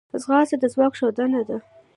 ځغاسته د ځواک ښودنه ده